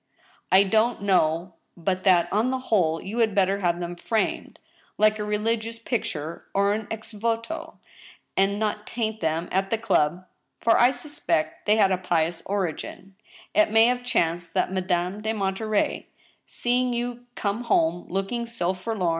" I don't know but that, on the whole, you had better have them framed, like a religfious picture, or an ex voio, and not taint them at the club, for I suspect they had a pious origin ; it may have chanced that Madame de Monterey, seeing you come home looking so forlorn.